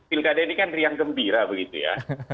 jadi pilkada ini kan riang gembira begitu ya